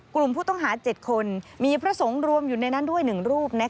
กลุ่มผู้ต้องหา๗คนมีพระสงฆ์รวมอยู่ในนั้นด้วย๑รูป